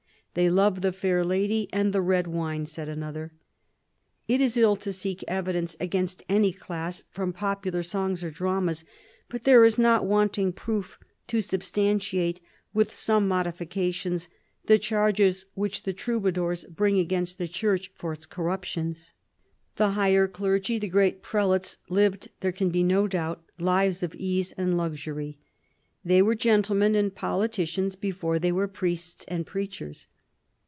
" They love the fair lady and the red wine," said another. It is ill to seek evidence against any class from popular songs or dramas, but there is not wanting proof to substantiate, with some modifica tions, the charges which the Troubadours bring against the church for its corruptions. The higher clergy, the great prelates, lived, there can be no doubt, lives of ease and luxury. They were gentlemen and politicians before they were priests and preachers.